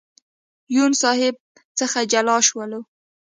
یون صاحب څخه جلا شولو.